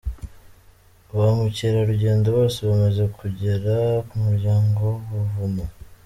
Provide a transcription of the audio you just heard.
Ba mucyerarugendo bose bamaze kugera ku muryango w'ubuvumo.